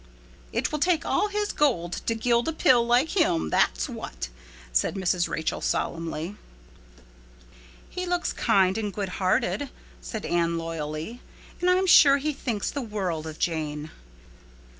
"It will take all his gold to gild a pill like him, that's what," said Mrs. Rachel solemnly. "He looks kind and good hearted," said Anne loyally, "and I'm sure he thinks the world of Jane."